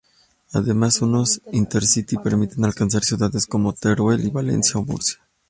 Además, unos Intercity permiten alcanzar ciudades como Teruel, Valencia o Murcia.